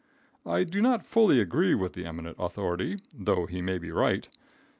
I do not fully agree with the eminent authority, though he may be right.